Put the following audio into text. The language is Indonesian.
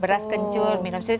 beras kencur minum sendiri